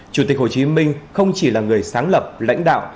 chủ tịch hồ chí minh không chỉ là người sáng lập lãnh đạo